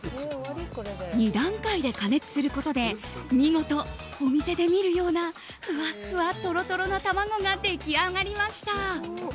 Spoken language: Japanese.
２段階で加熱することで見事、お店で見るようなふわふわトロトロな卵が出来上がりました。